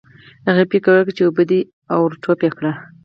هغې فکر وکړ چې اوبه دي او ور ټوپ یې کړل.